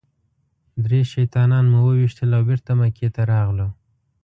درې شیطانان مو وويشتل او بېرته مکې ته راغلو.